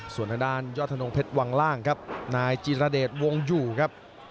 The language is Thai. ส่วนทางด้านยอดธนงเพชรวังล่างครับนายจิรเดชวงอยู่ครับ